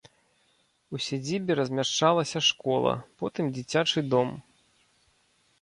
У сядзібе размяшчалася школа, потым дзіцячы дом.